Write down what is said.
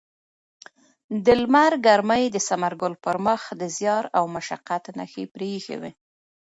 د لمر ګرمۍ د ثمرګل پر مخ د زیار او مشقت نښې پرېښې وې.